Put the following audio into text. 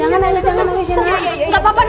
ini beneran gimana mbak